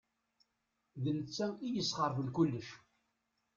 D netta i yesxeṛben kullec.